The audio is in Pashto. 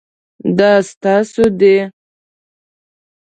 دا ستاسو دی؟